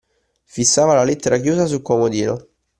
Fissava la lettera chiusa sul comodino;